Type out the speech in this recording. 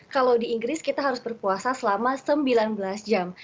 kalau di inggris kita harus berpuasa selama sembilan belas jam